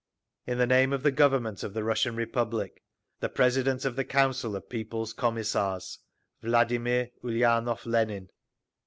In the name of the Government of the Russian Republic, The President of the Council of People's Commissars, VLADIMIR ULIANOV LENIN.